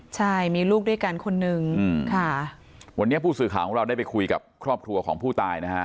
ใช่มีลูกด้วยกันคนนึงค่ะวันนี้ผู้สื่อข่าวของเราได้ไปคุยกับครอบครัวของผู้ตายนะฮะ